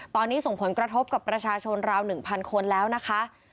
ตอนนี้ส่งผลกระทบกับประชาชนราว๑๐๐คนแล้วนะคะ